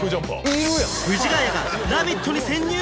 藤ヶ谷が「ラヴィット！」に潜入？